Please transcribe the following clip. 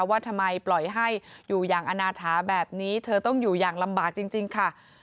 ว่าทำไมปล่อยให้อยู่อย่างอนาถาแบบนี้เธอต้องอยู่อย่างลำบากจริงค่ะ